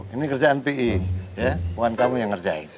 ini kerjaan pi ya bukan kamu yang ngerjain